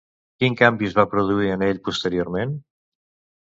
Quin canvi es va produir en ell posteriorment?